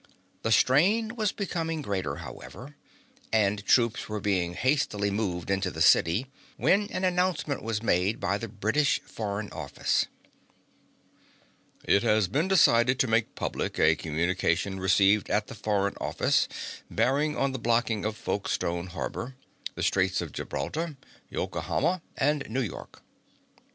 The strain was becoming greater, however, and troops were being hastily moved into the city when an announcement was made by the British foreign office: It has been decided to make public a communication received at the foreign office bearing on the blocking of Folkestone harbor, the Straits of Gibraltar, Yokohama, and New York.